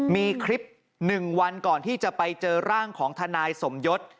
มีคลิป๑วันก่อนที่จะไปเจอร่างของทนายสมยศ